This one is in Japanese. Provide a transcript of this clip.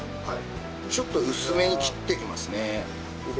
ちょっと薄めに切っていきますね。